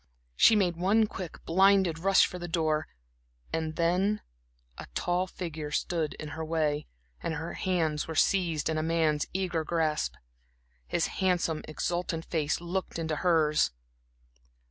She made one quick, blinded rush for the door, and then, a tall figure stood in her way, and her hands were seized in a man's eager grasp. His handsome, exultant face looked into hers.